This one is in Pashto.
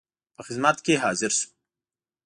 په خدمت کې حاضر شو.